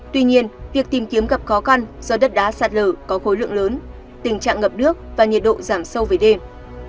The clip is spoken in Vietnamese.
tuy nhiên việc tìm kiếm gặp khó khăn do đất đá sạt lở có khối lượng lớn tình trạng ngập nước và nhiệt độ giảm sâu về đêm